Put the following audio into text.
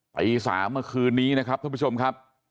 ตี๓เมื่อคืนนี้นะครับท่านผู้ชมครับ